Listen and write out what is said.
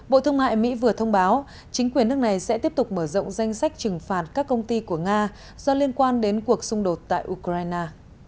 bộ thương mại mỹ vừa thông báo chính quyền nước này sẽ tiếp tục mở rộng danh sách trừng phạt các công ty của nga do liên quan đến cuộc xung đột tại ukraine